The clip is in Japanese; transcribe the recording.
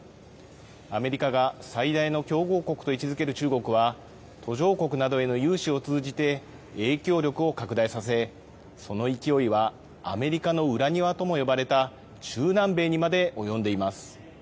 アメリカが最大の競合国と位置づける中国は、途上国などへの融資を通じて、影響力を拡大させ、その勢いはアメリカの裏庭とも呼ばれた中南米にまで及んでいます。